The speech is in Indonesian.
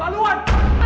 mas apaan sih